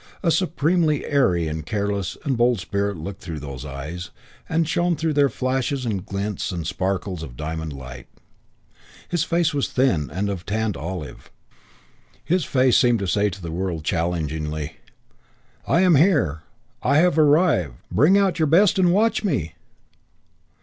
A supremely airy and careless and bold spirit looked through those eyes and shone through their flashes and glints and sparkles of diamond light. His face was thin and of tanned olive. His face seemed to say to the world, challengingly, "I am here! I have arrived! Bring out your best and watch me!"